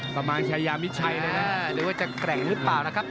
ประมาณชายามิดชัยนะหรือว่าจะแกร่งหรือเปล่านะครับ